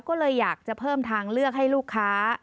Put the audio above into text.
ก็เลยอยากจะเพิ่มทางเลือกให้ลูกค้า